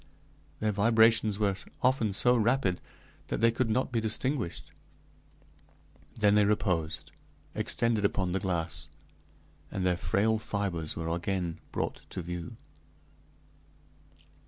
Their vibrations were often so rapid that they could not be distinguished; then they reposed, extended upon the glass, and their frail fibers were again brought to view.